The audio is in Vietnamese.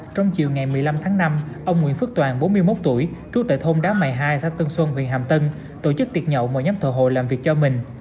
trong chiều ngày một mươi năm tháng năm ông nguyễn phước toàn bốn mươi một tuổi trú tại thôn đá mày hai xã tân xuân huyện hàm tân tổ chức tiệc nhậu mời nhóm thợ hồ làm việc cho mình